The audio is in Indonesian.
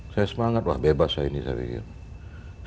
saya semangat wah bebas saya ini saya pikir